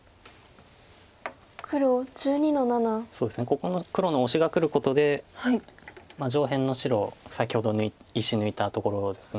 ここの黒のオシがくることで上辺の白先ほど１子抜いたところです。